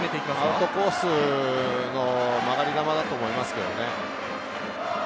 アウトコースの曲がり球だと思います。